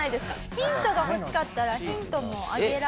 ヒントが欲しかったらヒントもあげられます。